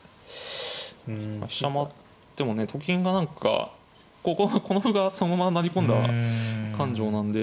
飛車回ってもねと金が何かこの歩がそのまま成り込んだ勘定なんで。